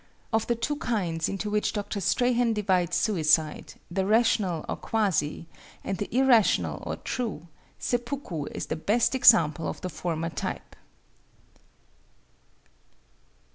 Of the two kinds into which Dr. Strahan divides suicide, the Rational or Quasi, and the Irrational or True, seppuku is the best example of the former type.